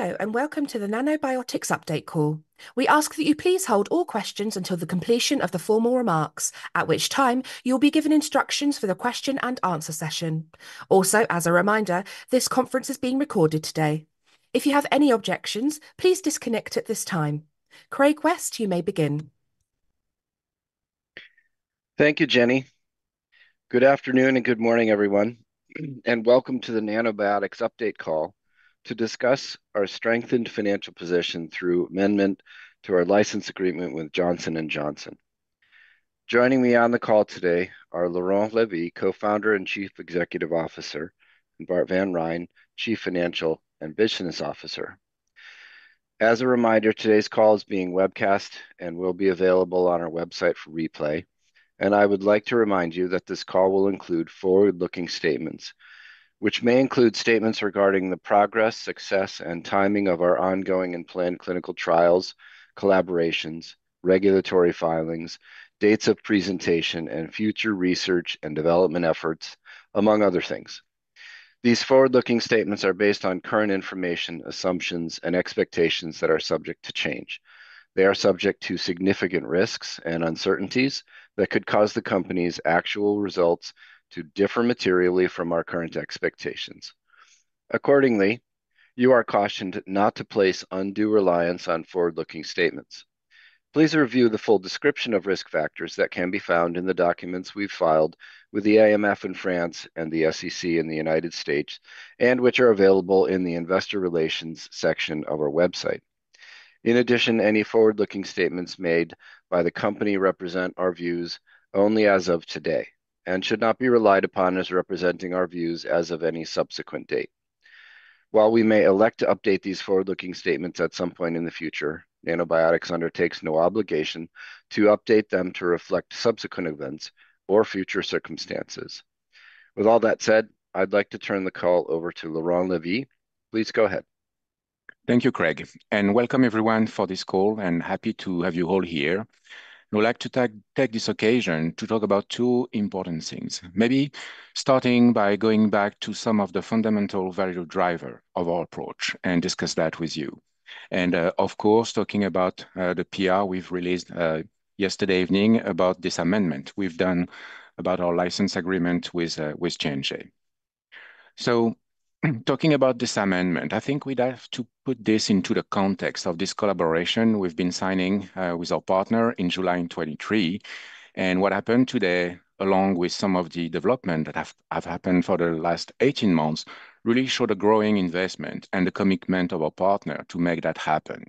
Hello, and welcome to the Nanobiotix Update Call. We ask that you please hold all questions until the completion of the formal remarks, at which time you'll be given instructions for the question-and-answer session. Also, as a reminder, this conference is being recorded today. If you have any objections, please disconnect at this time. Craig West, you may begin. Thank you, Jenny. Good afternoon and good morning, everyone, and welcome to the Nanobiotix Update Call to discuss our strengthened financial position through amendment to our license agreement with J&J. Joining me on the call today are Laurent Lévy, Co-founder and Chief Executive Officer, and Bart Van Rhijn, Chief Financial and Business Officer. As a reminder, today's call is being webcast and will be available on our website for replay. I would like to remind you that this call will include forward-looking statements. Which may include statements regarding the progress, success, and timing of our ongoing and planned clinical trials, collaborations, regulatory filings, dates of presentation, and future research and development efforts, among other things. These forward-looking statements are based on current information, assumptions, and expectations that are subject to change. They are subject to significant risks and uncertainties that could cause the company's actual results to differ materially from our current expectations. Accordingly, you are cautioned not to place undue reliance on forward-looking statements. Please review the full description of risk factors that can be found in the documents we've filed with the AMF in France and the SEC in the United States, and which are available in the Investor Relations section of our website. In addition, any forward-looking statements made by the company represent our views only as of today and should not be relied upon as representing our views as of any subsequent date. While we may elect to update these forward-looking statements at some point in the future, Nanobiotix undertakes no obligation to update them to reflect subsequent events or future circumstances. With all that said, I'd like to turn the call over to Laurent Lévy. Please go ahead. Thank you, Craig, and welcome everyone for this call, and happy to have you all here. I would like to take this occasion to talk about two important things, maybe starting by going back to some of the fundamental value drivers of our approach and discuss that with you. Of course, talking about the PR we released yesterday evening about this amendment we have done about our license agreement with J&J. Talking about this amendment, I think we have to put this into the context of this collaboration we have been signing with our partner in July 2023. What happened today, along with some of the developments that have happened for the last 18 months, really showed a growing investment and the commitment of our partner to make that happen.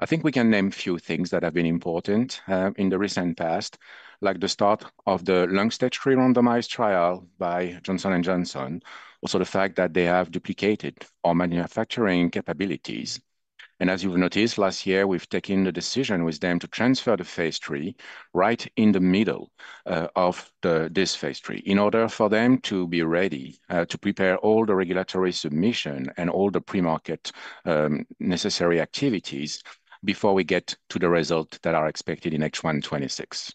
I think we can name a few things that have been important in the recent past, like the start of the long-stage pre-randomized trial by J&J, also the fact that they have duplicated our manufacturing capabilities. As you've noticed, last year, we've taken the decision with them to transfer the phase three right in the middle of this phase three in order for them to be ready to prepare all the regulatory submission and all the pre-market necessary activities before we get to the result that is expected in H1 2026.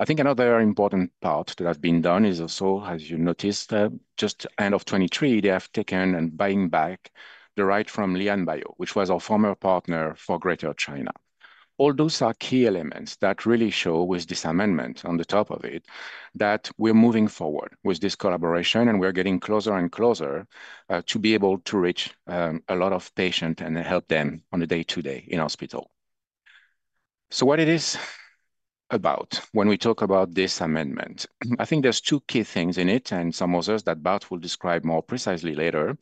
I think another important part that has been done is also, as you noticed, just end of 2023, they have taken and buying back the right from LianBio, which was our former partner for Greater China. All those are key elements that really show with this amendment on the top of it that we're moving forward with this collaboration and we're getting closer and closer to be able to reach a lot of patients and help them on a day-to-day in hospital. What it is about when we talk about this amendment, I think there's two key things in it, and some others that Bart will describe more precisely later.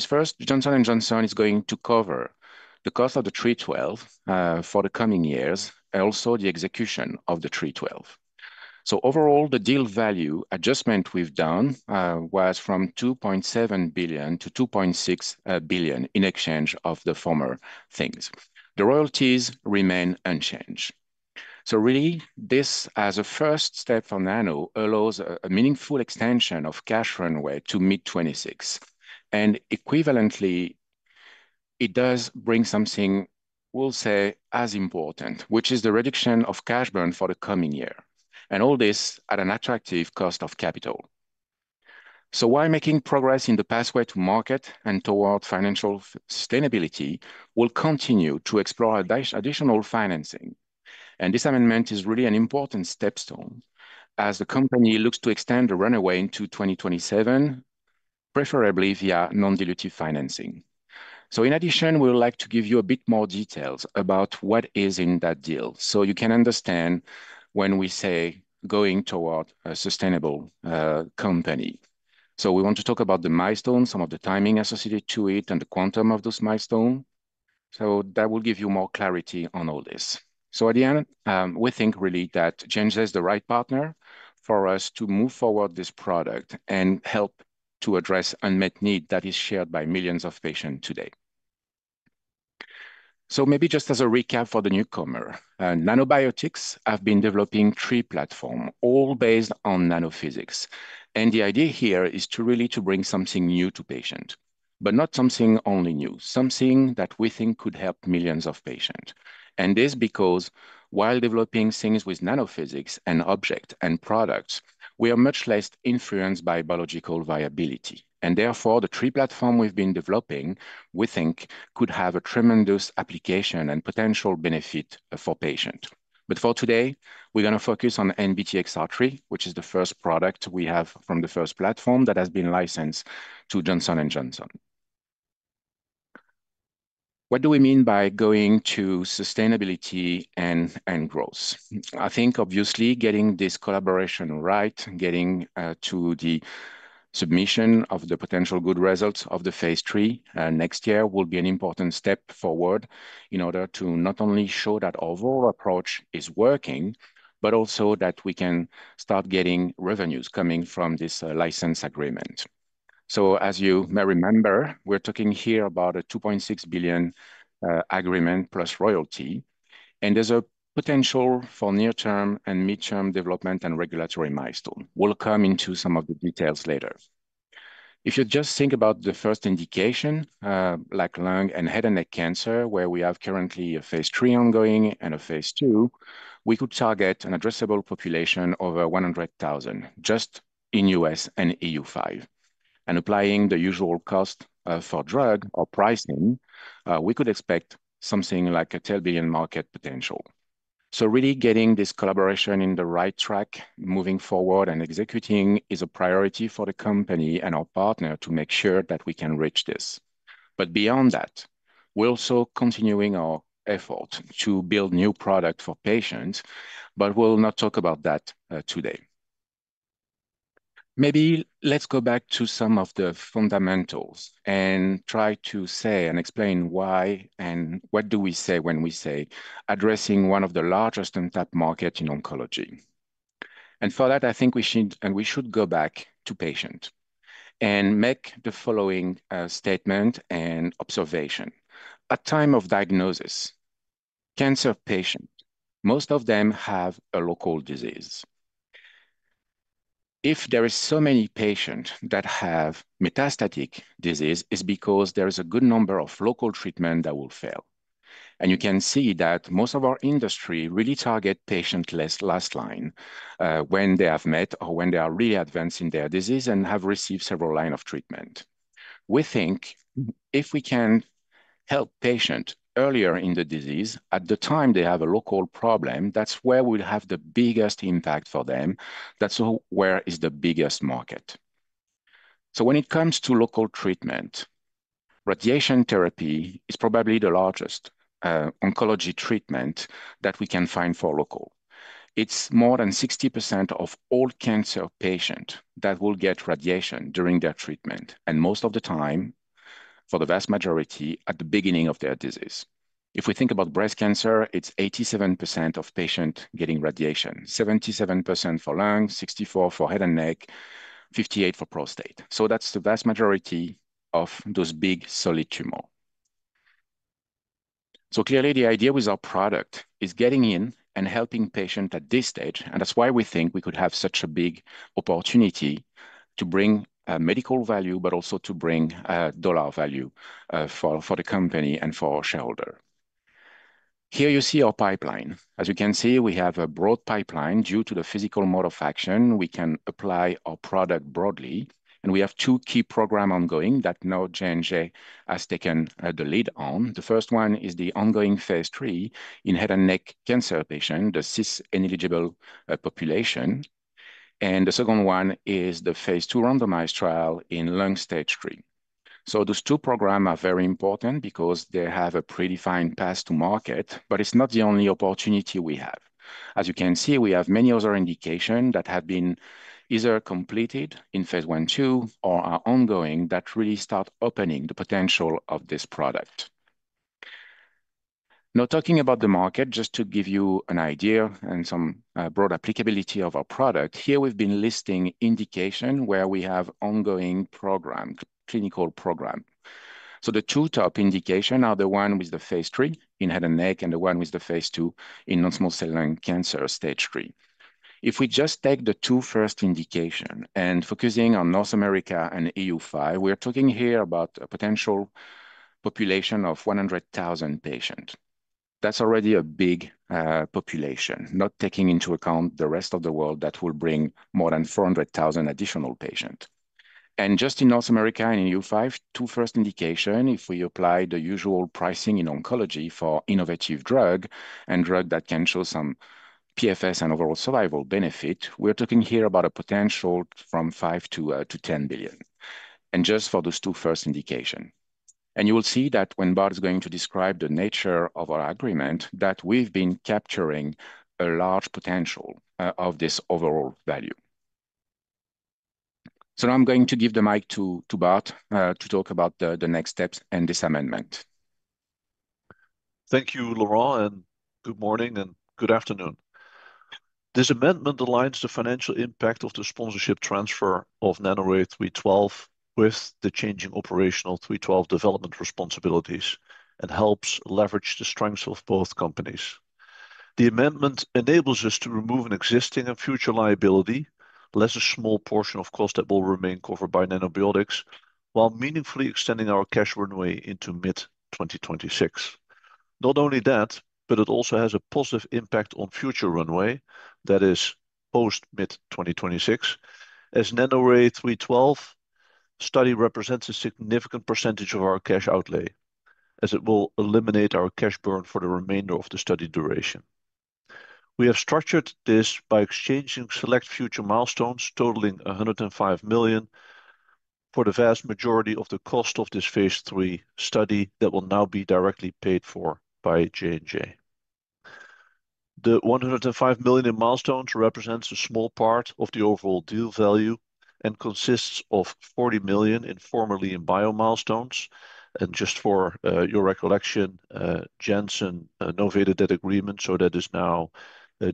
First, J&J is going to cover the cost of the 312 for the coming years and also the execution of the 312. Overall, the deal value adjustment we've done was from 2.7 billion to 2.6 billion in exchange for the former things. The royalties remain unchanged. This as a first step for nano allows a meaningful extension of cash runway to mid-2026. Equivalently, it does bring something we'll say as important, which is the reduction of cash burn for the coming year. All this at an attractive cost of capital. While making progress in the pathway to market and toward financial sustainability, we'll continue to explore additional financing. This amendment is really an important stepstone as the company looks to extend the runway into 2027, preferably via non-dilutive financing. In addition, we would like to give you a bit more details about what is in that deal so you can understand when we say going toward a sustainable company. We want to talk about the milestones, some of the timing associated to it, and the quantum of those milestones. That will give you more clarity on all this. At the end, we think really that J&J is the right partner for us to move forward this product and help to address unmet needs that are shared by millions of patients today. Maybe just as a recap for the newcomer, Nanobiotix has been developing three platforms, all based on nanophysics. The idea here is to really bring something new to patients, but not something only new, something that we think could help millions of patients. This is because while developing things with nanophysics and objects and products, we are much less influenced by biological variability. Therefore, the three platforms we've been developing, we think, could have a tremendous application and potential benefit for patients. For today, we're going to focus on NBTXR3, which is the first product we have from the first platform that has been licensed to J&J. What do we mean by going to sustainability and growth? I think, obviously, getting this collaboration right, getting to the submission of the potential good results of the phase three next year will be an important step forward in order to not only show that our approach is working, but also that we can start getting revenues coming from this license agreement. As you may remember, we're talking here about a 2.6 billion agreement plus royalty. There's a potential for near-term and mid-term development and regulatory milestones. We'll come into some of the details later. If you just think about the first indication, like lung and head and neck cancer, where we have currently a phase three ongoing and a phase two, we could target an addressable population of 100,000 just in the US and EU5. Applying the usual cost for drug or pricing, we could expect something like a 10 billion market potential. Really getting this collaboration on the right track moving forward and executing is a priority for the company and our partner to make sure that we can reach this. Beyond that, we're also continuing our effort to build new products for patients, but we'll not talk about that today. Maybe let's go back to some of the fundamentals and try to say and explain why and what do we say when we say addressing one of the largest untapped markets in oncology. For that, I think we should go back to patients and make the following statement and observation. At time of diagnosis, cancer patients, most of them have a local disease. If there are so many patients that have metastatic disease, it's because there is a good number of local treatments that will fail. You can see that most of our industry really targets patients' last line when they have met or when they are really advanced in their disease and have received several lines of treatment. We think if we can help patients earlier in the disease at the time they have a local problem, that's where we'll have the biggest impact for them. That's where the biggest market is. When it comes to local treatment, radiation therapy is probably the largest oncology treatment that we can find for local. It's more than 60% of all cancer patients that will get radiation during their treatment, and most of the time, for the vast majority, at the beginning of their disease. If we think about breast cancer, it's 87% of patients getting radiation, 77% for lungs, 64% for head and neck, 58% for prostate. That is the vast majority of those big solid tumors. Clearly, the idea with our product is getting in and helping patients at this stage, and that is why we think we could have such a big opportunity to bring medical value, but also to bring dollar value for the company and for our shareholder. Here you see our pipeline. As you can see, we have a broad pipeline. Due to the physical mode of action, we can apply our product broadly. We have two key programs ongoing that now Janssen has taken the lead on. The first one is the ongoing phase 3 in head and neck cancer patients, the cis-eligible population. The second one is the phase two randomized trial in lung stage three. Those two programs are very important because they have a predefined path to market, but it's not the only opportunity we have. As you can see, we have many other indications that have been either completed in phase one two or are ongoing that really start opening the potential of this product. Now, talking about the market, just to give you an idea and some broad applicability of our product, here we've been listing indications where we have ongoing programs, clinical programs. The two top indications are the one with the phase three in head and neck and the one with the phase two in non-small cell lung cancer stage three. If we just take the two first indications and focus on North America and EU5, we're talking here about a potential population of 100,000 patients. That's already a big population, not taking into account the rest of the world that will bring more than 400,000 additional patients. Just in North America and EU5, two first indications, if we apply the usual pricing in oncology for innovative drugs and drugs that can show some PFS and overall survival benefit, we're talking here about a potential from $5 billion to $10 billion. Just for those two first indications. You will see that when Bart is going to describe the nature of our agreement, that we've been capturing a large potential of this overall value. Now I'm going to give the mic to Bart to talk about the next steps and this amendment. Thank you, Laurent, and good morning and good afternoon. This amendment aligns the financial impact of the sponsorship transfer of NANORAY-312 with the changing operational 312 development responsibilities and helps leverage the strengths of both companies. The amendment enables us to remove an existing and future liability, less a small portion of costs that will remain covered by Nanobiotix, while meaningfully extending our cash runway into mid-2026. Not only that, but it also has a positive impact on future runway, that is, post mid-2026, as NANORAY-312 study represents a significant percentage of our cash outlay as it will eliminate our cash burn for the remainder of the study duration. We have structured this by exchanging select future milestones totaling 105 million for the vast majority of the cost of this phase three study that will now be directly paid for by J&J. The 105 million in milestones represents a small part of the overall deal value and consists of 40 million in former Lianbio milestones. Just for your recollection, Janssen novated that agreement, so that is now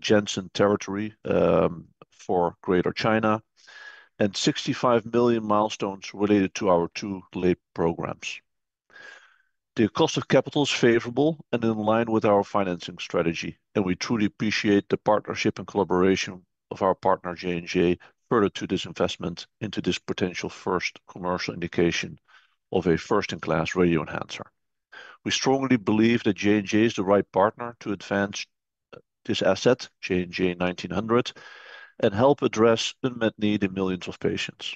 Janssen territory for Greater China, and 65 million milestones related to our two late programs. The cost of capital is favorable and in line with our financing strategy, and we truly appreciate the partnership and collaboration of our partner J&J further to this investment into this potential first commercial indication of a first-in-class radio enhancer. We strongly believe that J&J is the right partner to advance this asset, JNJ-1900, and help address unmet needs in millions of patients.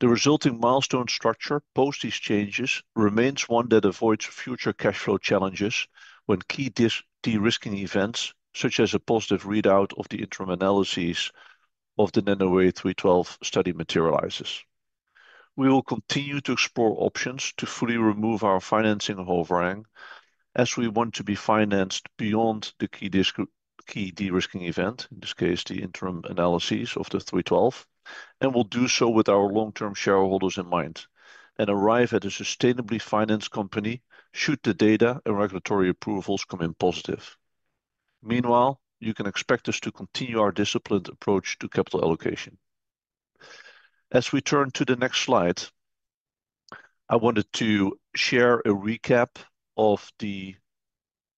The resulting milestone structure post these changes remains one that avoids future cash flow challenges when key de-risking events such as a positive readout of the interim analysis of the NANORAY-312 study materializes. We will continue to explore options to fully remove our financing overhang as we want to be financed beyond the key de-risking event, in this case, the interim analysis of the 312, and we'll do so with our long-term shareholders in mind and arrive at a sustainably financed company should the data and regulatory approvals come in positive. Meanwhile, you can expect us to continue our disciplined approach to capital allocation. As we turn to the next slide, I wanted to share a recap of the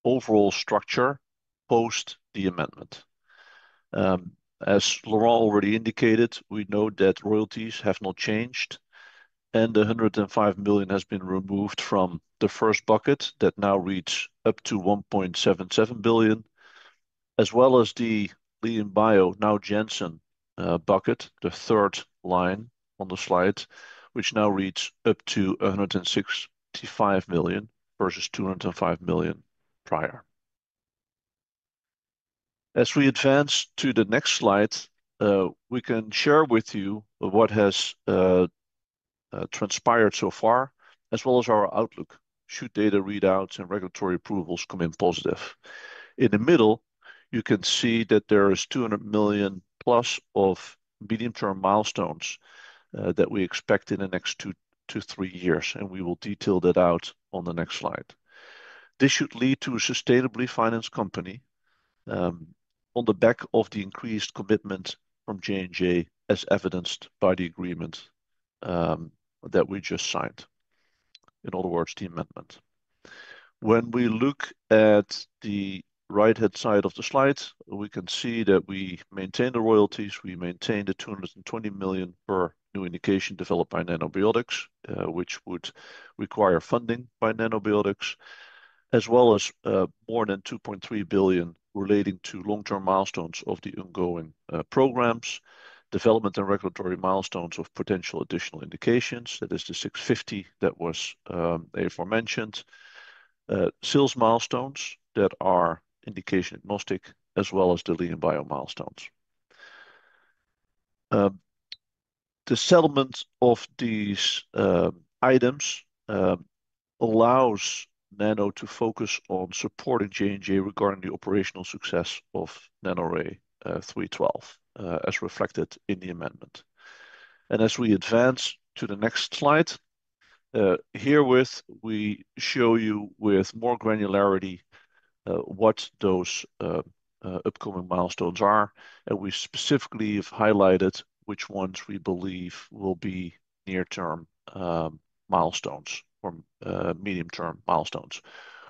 overall structure post the amendment. As Laurent already indicated, we know that royalties have not changed, and the 105 million has been removed from the first bucket that now reads up to 1.77 billion, as well as the Lianbio, now Janssen bucket, the third line on the slide, which now reads up to 165 million versus 205 million prior. As we advance to the next slide, we can share with you what has transpired so far, as well as our outlook should data readouts and regulatory approvals come in positive. In the middle, you can see that there is 200 million plus of medium-term milestones that we expect in the next two to three years, and we will detail that out on the next slide. This should lead to a sustainably financed company on the back of the increased commitment from J&J, as evidenced by the agreement that we just signed. In other words, the amendment. When we look at the right-hand side of the slide, we can see that we maintain the royalties. We maintain the 220 million per new indication developed by Nanobiotix, which would require funding by Nanobiotix, as well as more than 2.3 billion relating to long-term milestones of the ongoing programs, development and regulatory milestones of potential additional indications. That is the 650 million that was aforementioned, sales milestones that are indication agnostic, as well as the Lianbio milestones. The settlement of these items allows Nanobiotix to focus on supporting J&J regarding the operational success of NANORAY-312, as reflected in the amendment. As we advance to the next slide, here we show you with more granularity what those upcoming milestones are, and we specifically have highlighted which ones we believe will be near-term milestones or medium-term milestones,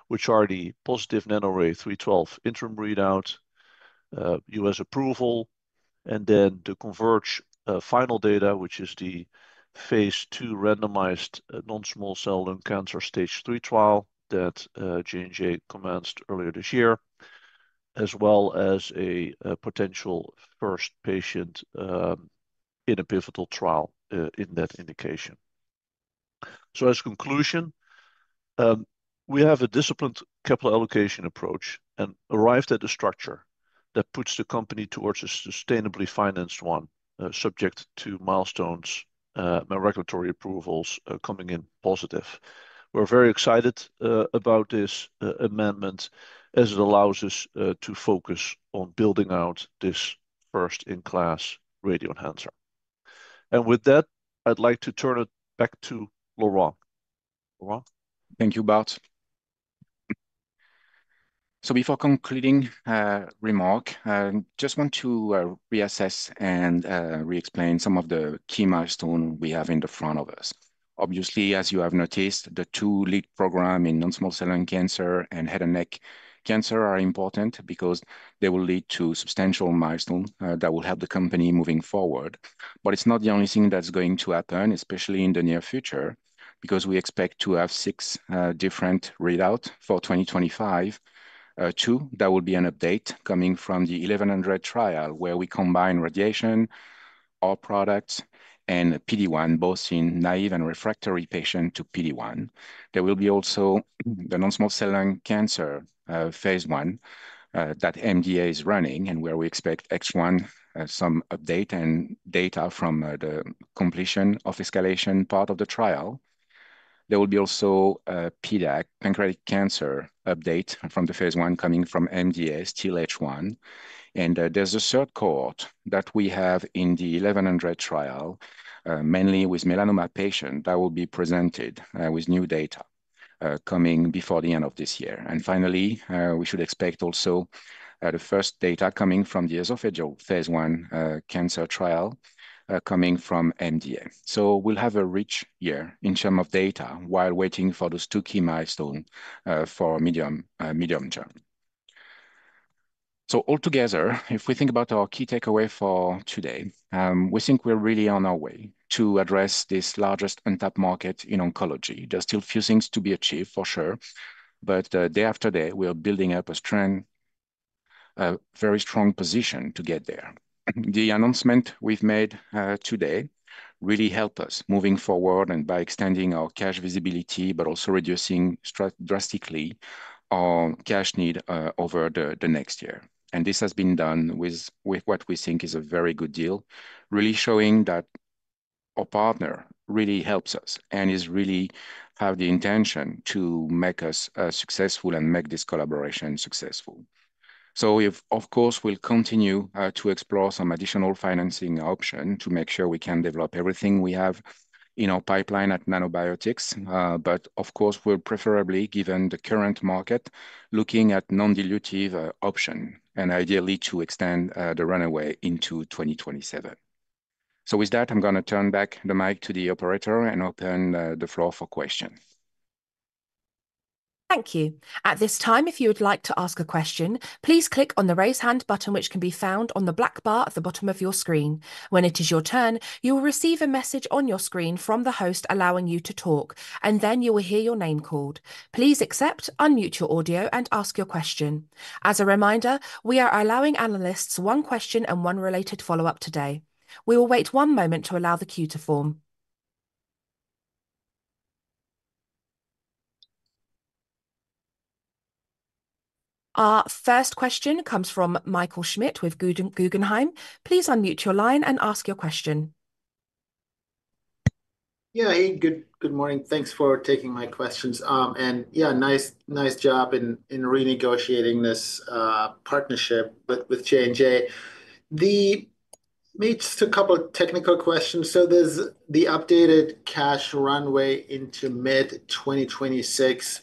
which are the positive NANORAY-312 interim readout, US approval, and then the CONVERGE final data, which is the phase two randomized non-small cell lung cancer stage three trial that Janssen commenced earlier this year, as well as a potential first patient in a pivotal trial in that indication. As a conclusion, we have a disciplined capital allocation approach and arrived at a structure that puts the company towards a sustainably financed one, subject to milestones and regulatory approvals coming in positive. We are very excited about this amendment as it allows us to focus on building out this first-in-class radio enhancer. With that, I'd like to turn it back to Laurent. Laurent? Thank you, Bart. Before concluding remark, I just want to reassess and re-explain some of the key milestones we have in front of us. Obviously, as you have noticed, the two lead programs in non-small cell lung cancer and head and neck cancer are important because they will lead to substantial milestones that will help the company moving forward. It is not the only thing that's going to happen, especially in the near future, because we expect to have six different readouts for 2025. Two, there will be an update coming from the 1100 trial where we combine radiation, our products, and PD-1, both in naive and refractory patients to PD-1. There will also be the non-small cell lung cancer phase one that MD Anderson is running and where we expect some update and data from the completion of escalation part of the trial. There will be also PDAC, pancreatic cancer update from the phase one coming from MD Anderson still H1. There is a third cohort that we have in the 1100 trial, mainly with melanoma patients that will be presented with new data coming before the end of this year. Finally, we should expect also the first data coming from the esophageal phase one cancer trial coming from MD Anderson. We will have a rich year in terms of data while waiting for those two key milestones for medium-term. Altogether, if we think about our key takeaway for today, we think we're really on our way to address this largest untapped market in oncology. There are still a few things to be achieved for sure, but day after day, we're building up a strong, very strong position to get there. The announcement we've made today really helped us moving forward and by extending our cash visibility, but also reducing drastically our cash need over the next year. This has been done with what we think is a very good deal, really showing that our partner really helps us and really has the intention to make us successful and make this collaboration successful. Of course, we'll continue to explore some additional financing options to make sure we can develop everything we have in our pipeline at Nanobiotix. Of course, we'll preferably, given the current market, look at non-dilutive options and ideally to extend the runway into 2027. With that, I'm going to turn back the mic to the operator and open the floor for questions. Thank you. At this time, if you would like to ask a question, please click on the raise hand button, which can be found on the black bar at the bottom of your screen. When it is your turn, you will receive a message on your screen from the host allowing you to talk, and then you will hear your name called. Please accept, unmute your audio, and ask your question. As a reminder, we are allowing analysts one question and one related follow-up today. We will wait one moment to allow the queue to form. Our first question comes from Michael Schmidt with Guggenheim. Please unmute your line and ask your question. Yeah, good morning. Thanks for taking my questions. And yeah, nice job in renegotiating this partnership with J&J. Let me just ask a couple of technical questions. There's the updated cash runway into mid-2026.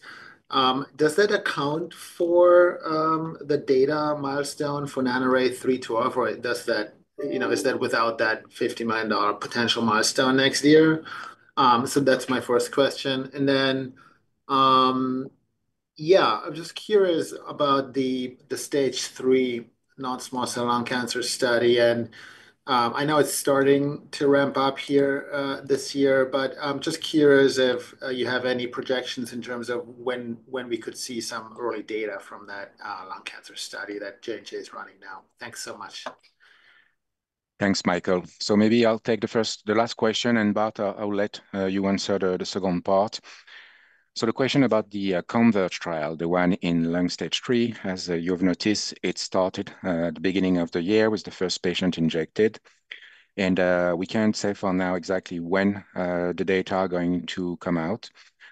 Does that account for the data milestone for NANORAY-312, or is that without that $50 million potential milestone next year? That's my first question. I'm just curious about the stage 3 non-small cell lung cancer study. I know it's starting to ramp up here this year, but I'm just curious if you have any projections in terms of when we could see some early data from that lung cancer study that J&J is running now. Thanks so much. Thanks, Michael. Maybe I'll take the last question, and Bart, I'll let you answer the second part. The question about the CONVERGE trial, the one in lung stage three, as you've noticed, it started at the beginning of the year with the first patient injected. We can't say for now exactly when the data are going to come out,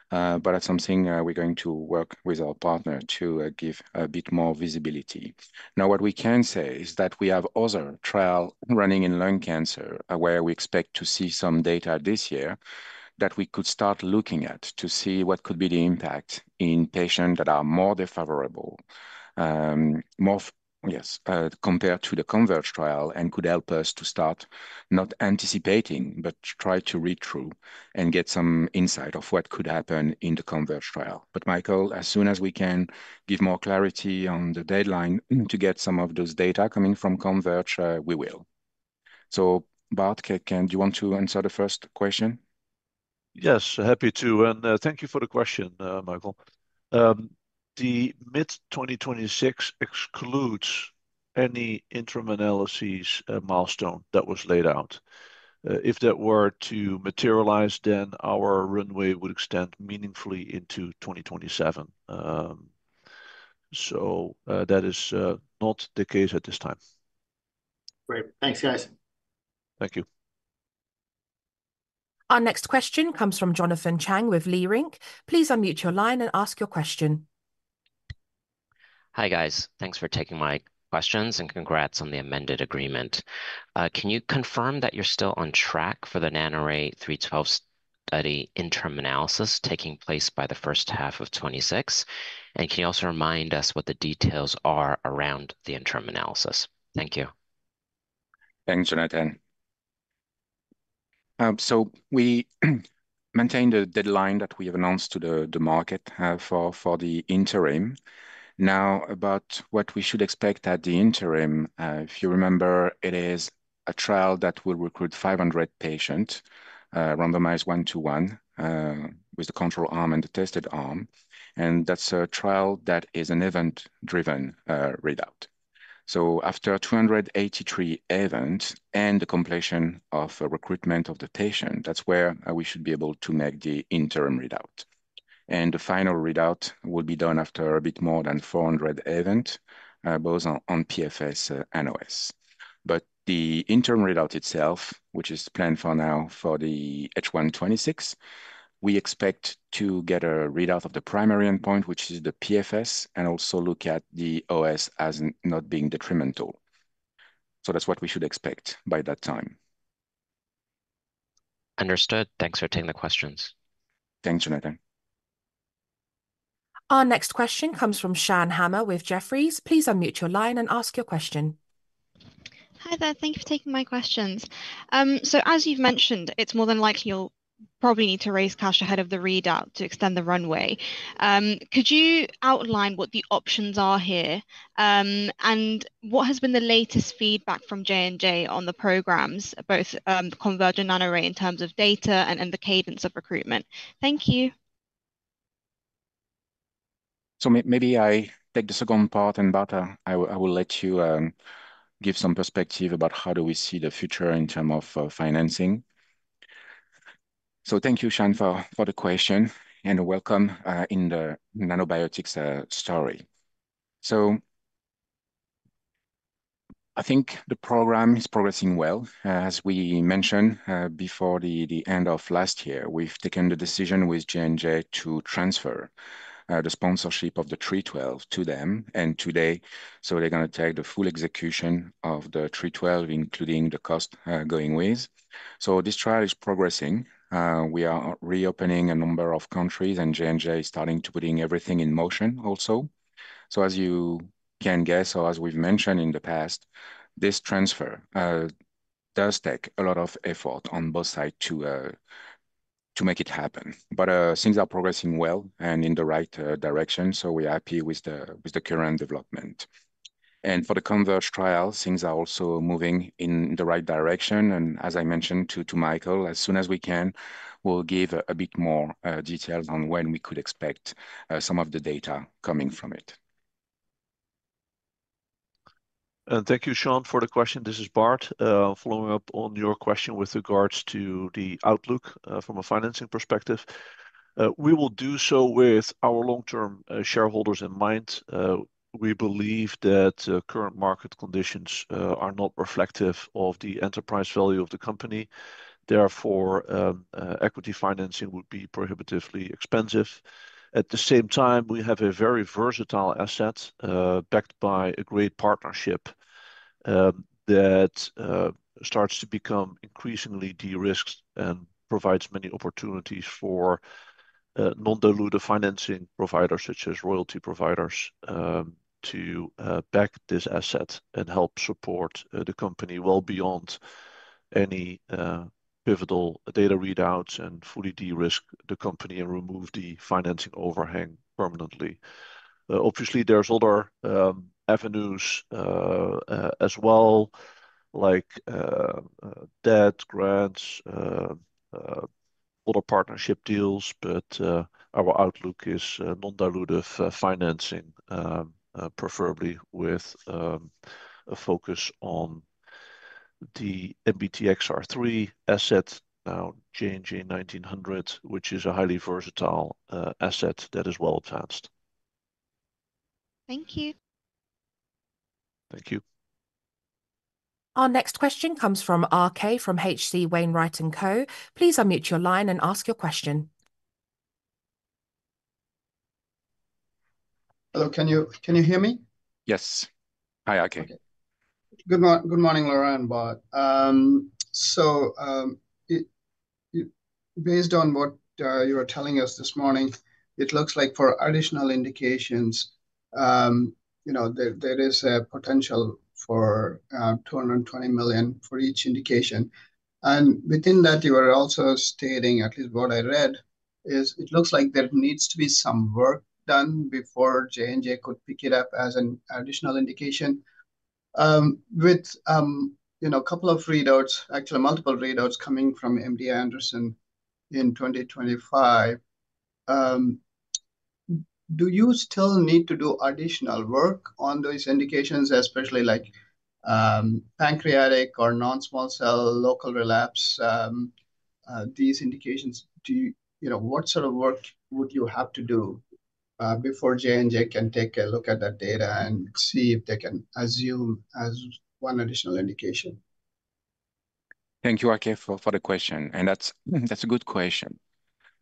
but that's something we're going to work with our partner to give a bit more visibility. Now, what we can say is that we have other trials running in lung cancer where we expect to see some data this year that we could start looking at to see what could be the impact in patients that are more defavorable, yes, compared to the CONVERGE trial, and could help us to start not anticipating, but try to read through and get some insight of what could happen in the CONVERGE trial. Michael, as soon as we can give more clarity on the deadline to get some of those data coming from CONVERGE, we will. Bart, do you want to answer the first question? Yes, happy to. Thank you for the question, Michael. The mid-2026 excludes any interim analysis milestone that was laid out. If that were to materialize, our runway would extend meaningfully into 2027. That is not the case at this time. Great. Thanks, guys. Thank you. Our next question comes from Jonathan Chang with Leerink. Please unmute your line and ask your question. Hi guys. Thanks for taking my questions and congrats on the amended agreement. Can you confirm that you're still on track for the NANORAY-312 study interim analysis taking place by the first half of 2026? Can you also remind us what the details are around the interim analysis? Thank you. Thanks, Jonathan. We maintained the deadline that we have announced to the market for the interim. Now, about what we should expect at the interim, if you remember, it is a trial that will recruit 500 patients, randomized one-to-one with the control arm and the tested arm. That is a trial that is an event-driven readout. After 283 events and the completion of recruitment of the patient, that is where we should be able to make the interim readout. The final readout will be done after a bit more than 400 events, both on PFS and OS. The interim readout itself, which is planned for now for the H1 2026, we expect to get a readout of the primary endpoint, which is the PFS, and also look at the OS as not being detrimental. That is what we should expect by that time. Understood. Thanks for taking the questions. Thanks, Jonathan. Our next question comes from Shan Hammer with Jefferies. Please unmute your line and ask your question. Hi there. Thank you for taking my questions. As you've mentioned, it's more than likely you'll probably need to raise cash ahead of the readout to extend the runway. Could you outline what the options are here and what has been the latest feedback from J&J on the programs, both the CONVERGE and NanoRay in terms of data and the cadence of recruitment? Thank you. Maybe I take the second part, and Bart, I will let you give some perspective about how do we see the future in terms of financing. Thank you, Shan, for the question, and welcome in the Nanobiotix story. I think the program is progressing well. As we mentioned before the end of last year, we've taken the decision with J&J to transfer the sponsorship of the 312 to them. Today, they are going to take the full execution of the 312, including the cost going with. This trial is progressing. We are reopening a number of countries, and J&J is starting to put everything in motion also. As you can guess, or as we've mentioned in the past, this transfer does take a lot of effort on both sides to make it happen. Things are progressing well and in the right direction. We're happy with the current development. For the CONVERGE trial, things are also moving in the right direction. As I mentioned to Michael, as soon as we can, we'll give a bit more details on when we could expect some of the data coming from it. Thank you, Sean, for the question. This is Bart following up on your question with regards to the outlook from a financing perspective. We will do so with our long-term shareholders in mind. We believe that current market conditions are not reflective of the enterprise value of the company. Therefore, equity financing would be prohibitively expensive. At the same time, we have a very versatile asset backed by a great partnership that starts to become increasingly de-risked and provides many opportunities for non-dilutive financing providers such as royalty providers to back this asset and help support the company well beyond any pivotal data readouts and fully de-risk the company and remove the financing overhang permanently. Obviously, there are other avenues as well, like debt, grants, other partnership deals, but our outlook is non-dilutive financing, preferably with a focus on the NBTXR3 asset, now JNJ-1900, which is a highly versatile asset that is well advanced. Thank you. Thank you. Our next question comes from RK from H.C. Wainwright and Co. Please unmute your line and ask your question. Hello, can you hear me? Yes. Hi, RK. Good morning, Laurent and Bart. Based on what you were telling us this morning, it looks like for additional indications, there is a potential for 220 million for each indication. Within that, you were also stating, at least what I read, it looks like there needs to be some work done before J&J could pick it up as an additional indication. With a couple of readouts, actually multiple readouts coming from MD Anderson in 2025, do you still need to do additional work on those indications, especially like pancreatic or non-small cell local relapse? These indications, what sort of work would you have to do before J&J can take a look at that data and see if they can assume as one additional indication? Thank you, RK, for the question. That is a good question.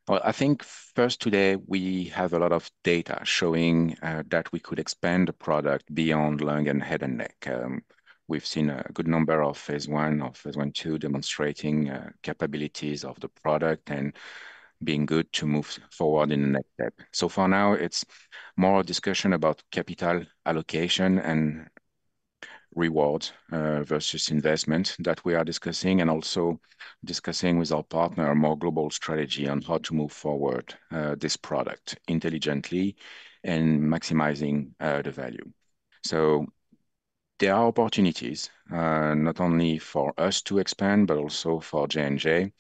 I think first today, we have a lot of data showing that we could expand the product beyond lung and head and neck. We have seen a good number of phase one or phase one two demonstrating capabilities of the product and being good to move forward in the next step. For now, it is more a discussion about capital allocation and reward versus investment that we are discussing and also discussing with our partner a more global strategy on how to move forward this product intelligently and maximizing the value. There are opportunities not only for us to expand, but also for J&J.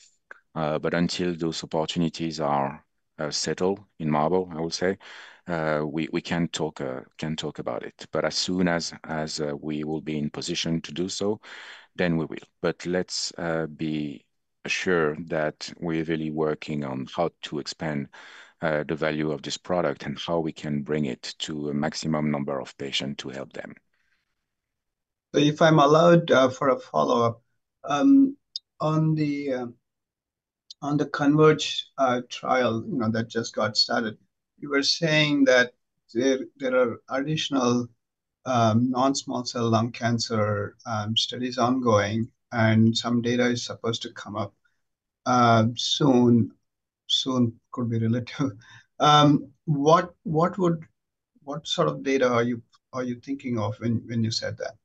Until those opportunities are settled in marble, I will say, we cannot talk about it. As soon as we will be in position to do so, then we will. Let's be sure that we're really working on how to expand the value of this product and how we can bring it to a maximum number of patients to help them. If I'm allowed for a follow-up, on the CONVERGE trial that just got started, you were saying that there are additional non-small cell lung cancer studies ongoing and some data is supposed to come up soon, soon could be relative. What sort of data are you thinking of when you said that?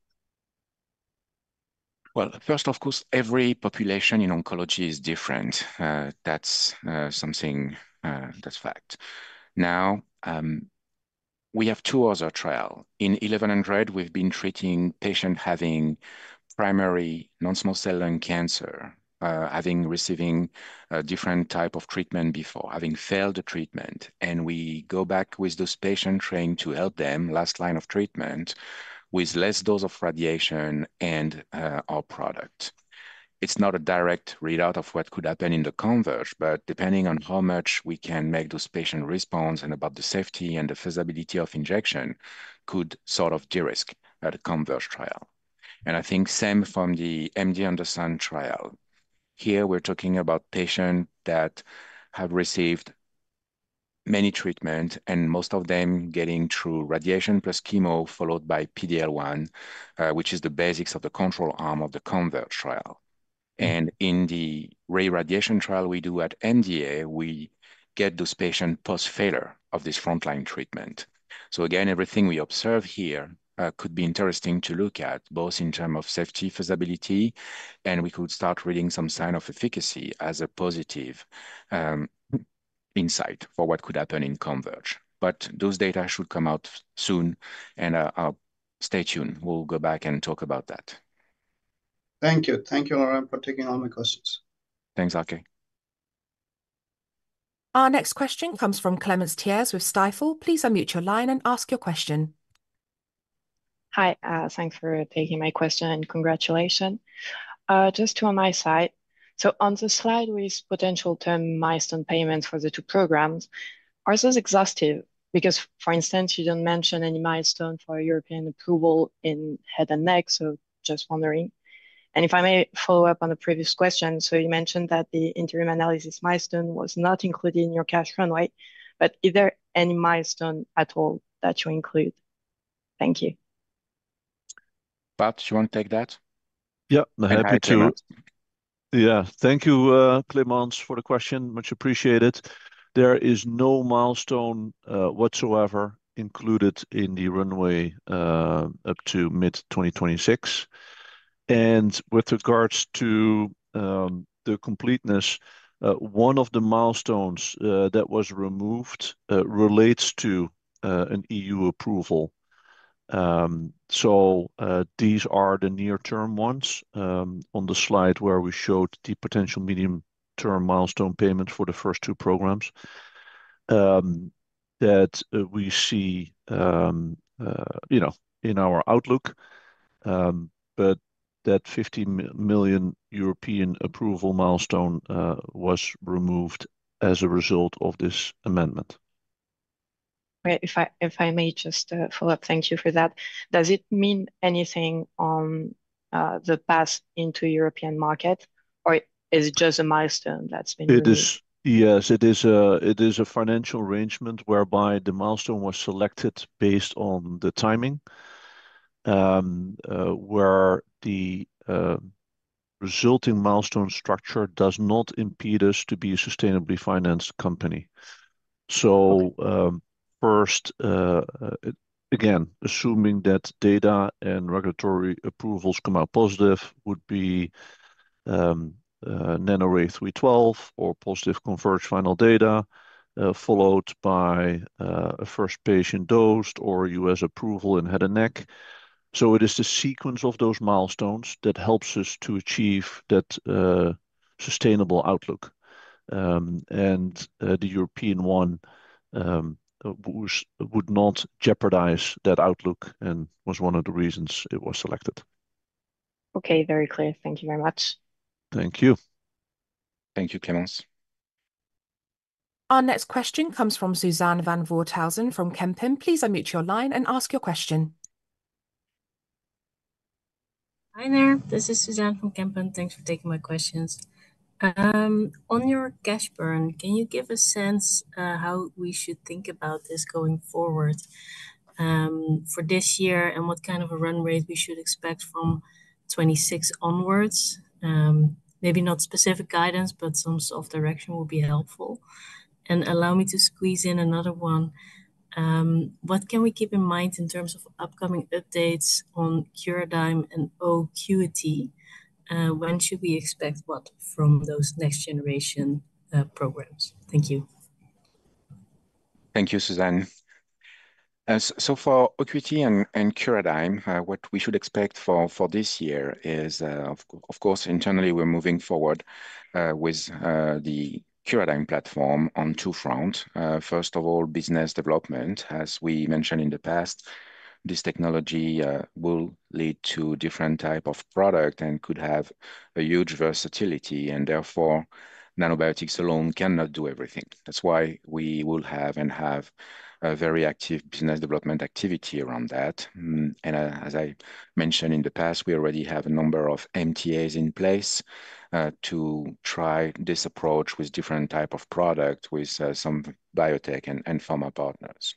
First, of course, every population in oncology is different. That's something that's fact. Now, we have two other trials. In 1100, we've been treating patients having primary non-small cell lung cancer, having received different types of treatment before, having failed the treatment. We go back with those patients trying to help them last line of treatment with less dose of radiation and our product. It's not a direct readout of what could happen in the CONVERGE, but depending on how much we can make those patients respond and about the safety and the feasibility of injection could sort of de-risk the CONVERGE trial. I think same from the MD Anderson trial. Here, we're talking about patients that have received many treatments and most of them getting true radiation plus chemo followed by PD-L1, which is the basics of the control arm of the CONVERGE trial. In the ray radiation trial we do at MD Anderson, we get those patients post-failure of this frontline treatment. Again, everything we observe here could be interesting to look at both in terms of safety, feasibility, and we could start reading some sign of efficacy as a positive insight for what could happen in CONVERGE. Those data should come out soon. Stay tuned. We'll go back and talk about that. Thank you. Thank you, Laurent, for taking all my questions. Thanks, RK. Our next question comes from Clémence Thiers with Stifel. Please unmute your line and ask your question. Hi, thanks for taking my question and congratulations. Just to on my side. On the slide with potential term milestone payments for the two programs, are those exhaustive? For instance, you did not mention any milestone for European approval in head and neck, so just wondering. If I may follow up on the previous question, you mentioned that the interim analysis milestone was not included in your cash runway, but is there any milestone at all that you include? Thank you. Bart, you want to take that? Yeah, happy to. Yeah, thank you, Clémence, for the question. Much appreciated. There is no milestone whatsoever included in the runway up to mid-2026. With regards to the completeness, one of the milestones that was removed relates to an EU approval. These are the near-term ones on the slide where we showed the potential medium-term milestone payments for the first two programs that we see in our outlook, but that 15 million European approval milestone was removed as a result of this amendment. If I may just follow up, thank you for that. Does it mean anything on the path into European market, or is it just a milestone that's been removed? Yes, it is a financial arrangement whereby the milestone was selected based on the timing, where the resulting milestone structure does not impede us to be a sustainably financed company. First, again, assuming that data and regulatory approvals come out positive would be NANORAY-312 or positive CONVERGE final data followed by a first patient dosed or US approval in head and neck. It is the sequence of those milestones that helps us to achieve that sustainable outlook. The European one would not jeopardize that outlook and was one of the reasons it was selected. Okay, very clear. Thank you very much. Thank you. Thank you, Clémence. Our next question comes from Suzanne van Voorthuizen from Kempen. Please unmute your line and ask your question. Hi there. This is Suzanne from Kempen. Thanks for taking my questions. On your cash burn, can you give a sense of how we should think about this going forward for this year and what kind of a runway we should expect from 2026 onwards? Maybe not specific guidance, but some soft direction will be helpful. Allow me to squeeze in another one. What can we keep in mind in terms of upcoming updates on Curadigm and OQT? When should we expect what from those next-generation programs? Thank you. Thank you, Suzanne. For OQT and Curadigm, what we should expect for this year is, of course, internally, we're moving forward with the Curadigm platform on two fronts. First of all, business development. As we mentioned in the past, this technology will lead to different types of products and could have a huge versatility. Therefore, Nanobiotix alone cannot do everything. That is why we will have and have a very active business development activity around that. As I mentioned in the past, we already have a number of MTAs in place to try this approach with different types of products with some biotech and pharma partners.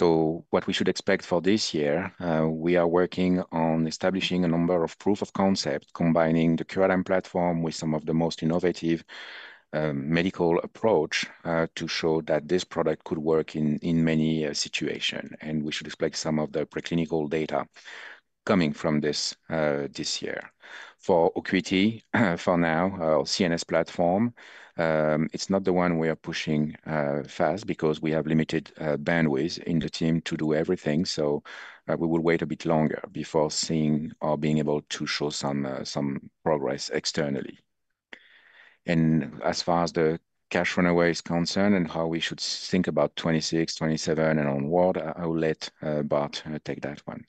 What we should expect for this year, we are working on establishing a number of proof of concept, combining the Curadigm platform with some of the most innovative medical approaches to show that this product could work in many situations. We should expect some of the preclinical data coming from this year. For OQT, for now, our CNS platform, it's not the one we are pushing fast because we have limited bandwidth in the team to do everything. We will wait a bit longer before seeing or being able to show some progress externally. As far as the cash runway is concerned and how we should think about 2026, 2027, and onward, I will let Bart take that one.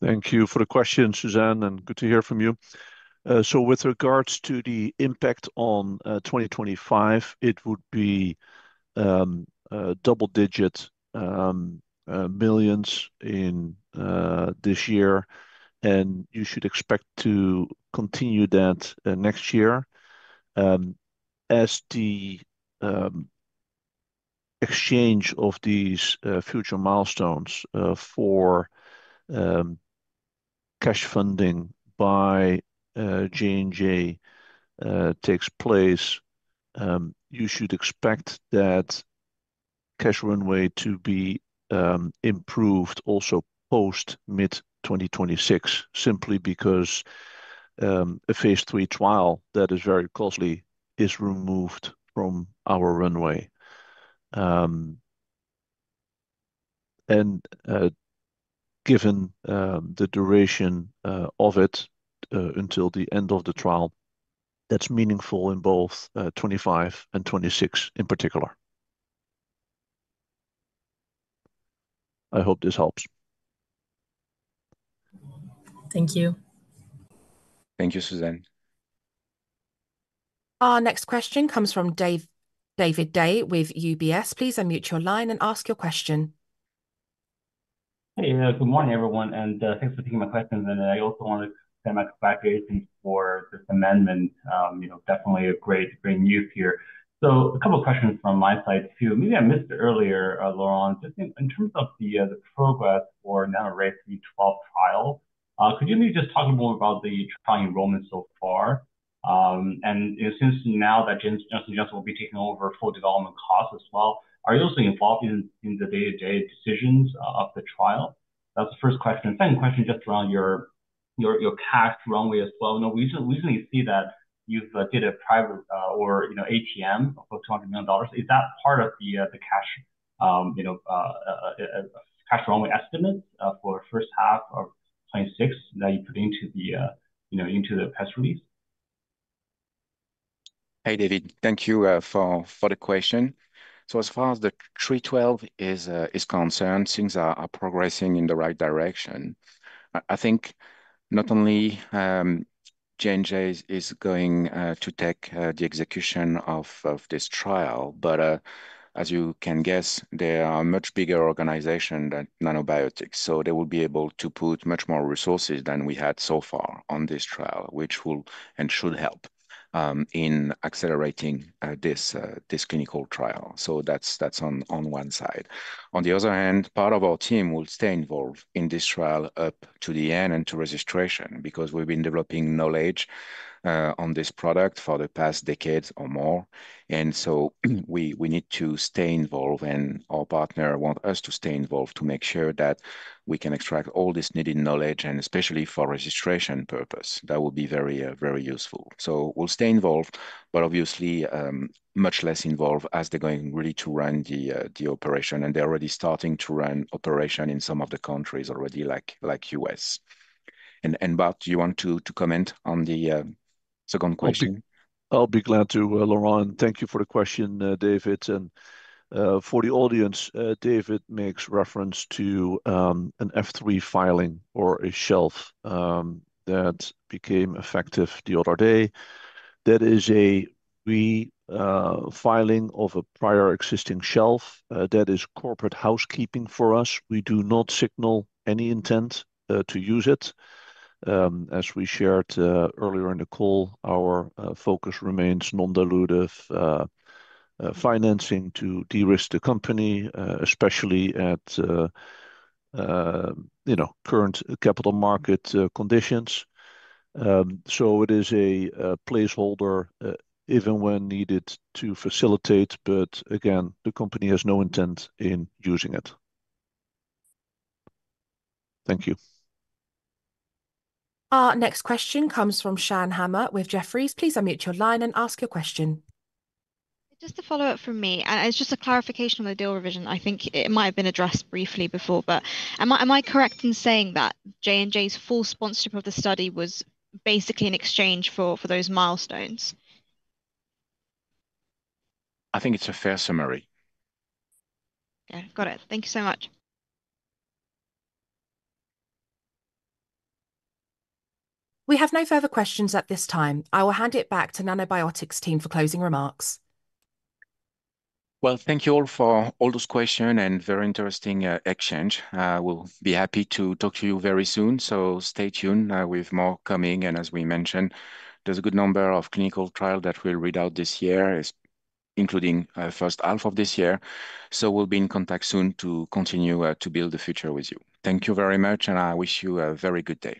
Thank you for the question, Suzanne, and good to hear from you. With regards to the impact on 2025, it would be double-digit millions this year, and you should expect to continue that next year as the exchange of these future milestones for cash funding by J&J takes place. You should expect that cash runway to be improved also post mid-2026, simply because a phase three trial that is very costly is removed from our runway. Given the duration of it until the end of the trial, that is meaningful in both 2025 and 2026 in particular. I hope this helps. Thank you. Thank you, Suzanne. Our next question comes from David Dai with UBS. Please unmute your line and ask your question. Hey, good morning, everyone. Thanks for taking my question. I also want to extend my congratulations for this amendment. Definitely great news here. A couple of questions from my side too. Maybe I missed it earlier, Laurent. In terms of the progress for NANORAY-312 trial, could you maybe just talk a little bit about the trial enrollment so far? Since now that J&J will be taking over full development costs as well, are you also involved in the day-to-day decisions of the trial? That's the first question. Second question, just around your cash runway as well. We recently see that you did a private or ATM for $200 million. Is that part of the cash runway estimates for the first half of 2026 that you put into the press release? Hey, David, thank you for the question. As far as the 312 is concerned, things are progressing in the right direction. I think not only J&J is going to take the execution of this trial, but as you can guess, they are a much bigger organization than Nanobiotix. They will be able to put much more resources than we had so far on this trial, which will and should help in accelerating this clinical trial. That is on one side. On the other hand, part of our team will stay involved in this trial up to the end and to registration because we've been developing knowledge on this product for the past decade or more. We need to stay involved, and our partner wants us to stay involved to make sure that we can extract all this needed knowledge, and especially for registration purposes. That will be very useful. We'll stay involved, but obviously much less involved as they're going really to run the operation. They're already starting to run operations in some of the countries already, like the US. Bart, do you want to comment on the second question? I'll be glad to, Laurent. Thank you for the question, David. For the audience, David makes reference to an F-3 filing or a shelf that became effective the other day. That is a re-filing of a prior existing shelf. That is corporate housekeeping for us. We do not signal any intent to use it. As we shared earlier in the call, our focus remains non-dilutive financing to de-risk the company, especially at current capital market conditions. It is a placeholder even when needed to facilitate, but again, the company has no intent in using it. Thank you. Our next question comes from Shan Hammer with Jefferies. Please unmute your line and ask your question. Just a follow-up from me. It's just a clarification on the deal revision. I think it might have been addressed briefly before, but am I correct in saying that J&J's full sponsorship of the study was basically in exchange for those milestones? I think it's a fair summary. Yeah, got it. Thank you so much. We have no further questions at this time. I will hand it back to Nanobiotix's team for closing remarks. Thank you all for all those questions and very interesting exchange. We'll be happy to talk to you very soon. Stay tuned with more coming. As we mentioned, there's a good number of clinical trials that will read out this year, including the first half of this year. We'll be in contact soon to continue to build the future with you. Thank you very much, and I wish you a very good day.